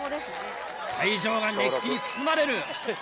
会場が熱気に包まれる！